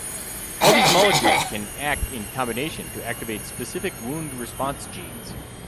All these molecules can act in combination to activate specific wound response genes.